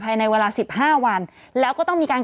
ภายในเวลา๑๕วันแล้วก็ต้องมีการ